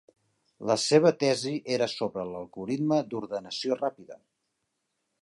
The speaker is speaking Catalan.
La seva tesi era sobre l'algoritme d'ordenació ràpida.